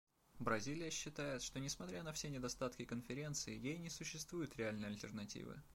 Бразилия считает, что, несмотря на все недостатки Конференции, ей не существует реальной альтернативы.